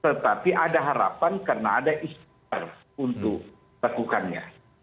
tetapi ada harapan karena ada istirahat untuk melakukannya